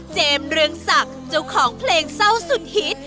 เรืองศักดิ์เจ้าของเพลงเศร้าสุดฮิต